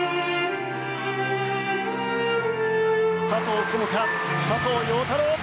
佐藤友花、佐藤陽太郎！